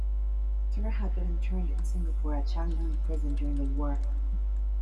Turner had been interned in Singapore at Changi Prison during the war.